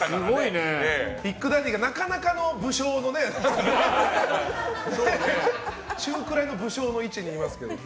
ビッグダディがなかなかの武将の中ぐらいの武将の位置にいます。